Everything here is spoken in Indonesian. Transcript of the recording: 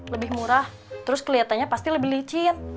lebih murah terus kelihatannya pasti lebih licin